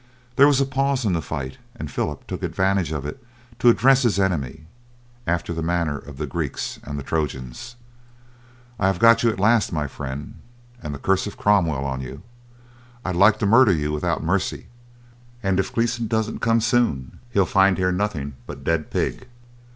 There was a pause in the fight, and Philip took advantage of it to address his enemy after the manner of the Greeks and Trojans. "I have got you at last, my friend, and the curse of Cromwell on you, I'd like to murder you without mercy; and if Gleeson don't come soon he'll find here nothing but dead pig.